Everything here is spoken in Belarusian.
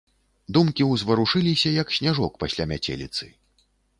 Думкі ўзварушыліся, як сняжок пасля мяцеліцы.